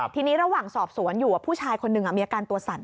ทีนี้ระหว่างสอบสวนอยู่ผู้ชายคนหนึ่งมีอาการตัวสั่น